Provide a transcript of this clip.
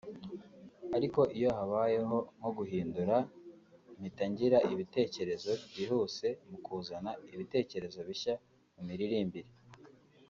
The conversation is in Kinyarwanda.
ariko iyo habayeho nko guhindura mpita ngira ibitekerezo byihuse mu kuzana ibitekerezo bishya mu miririmbire